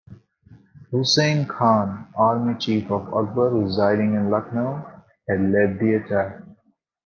Hussain Khan, army chief of Akbar residing in Lucknow had led the attack.